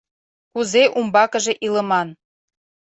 Кузе умбакыже илыман?..